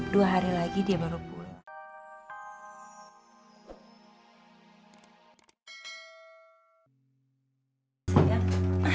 dua hari lagi dia baru pulang